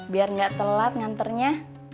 biar gak telat nganternya